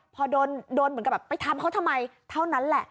พอโดนเหมือนกับแบบไปทำเขาทำไมเท่านั้นแหละ